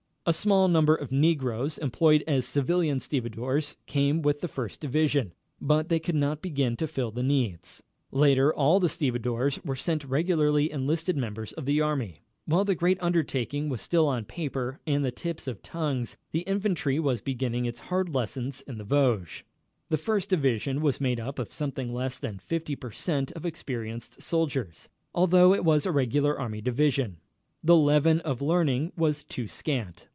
A small number of negroes employed as civilian stevedores came with the First Division, but they could not begin to fill the needs. Later all the stevedores sent were regularly enlisted members of the army. While the great undertaking was still on paper and the tips of tongues, the infantry was beginning its hard lessons in the Vosges. The First Division was made up of something less than 50 per cent of experienced soldiers, although it was a regular army division. The leaven of learning was too scant.